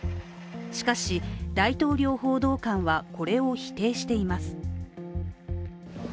しかし、大統領報道官はこれを否定しています。